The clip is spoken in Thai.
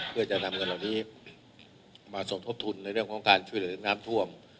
เพื่อจะนำเงินเหล่านี้มาสมทบทุนในเรื่องของการช่วยเหลือน้ำท่วม